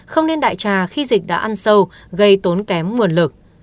không nên đại trà khi dịch đã ăn sâu gây tốn kém nguồn lực